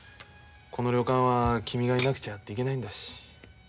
この旅館は君がいなくちゃやっていけないんだし。